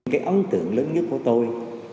cái ấn tượng lớn nhất của tôi